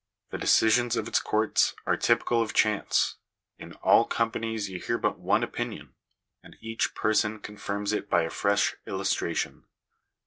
The decisions of its courts are typical of chance. In all companies you hear but one opinion, and each person confirms it by a fresh illustration.